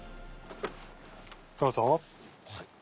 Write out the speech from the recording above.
どうぞ。